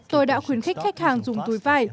tôi đã khuyến khích khách hàng dùng túi vải